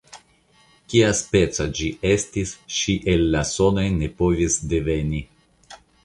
Kiaspeca ĝi estis, ŝi el la sonoj ne povis diveni.